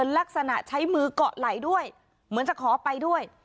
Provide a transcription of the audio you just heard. ลักษณะใช้มือเกาะไหลด้วยเหมือนจะขอไปด้วย